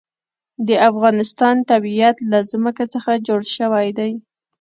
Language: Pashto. د افغانستان طبیعت له ځمکه څخه جوړ شوی دی.